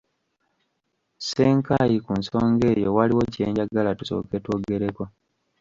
Ssenkayi, ku nsonga eyo waliwo kye njagala tusooke twogereko.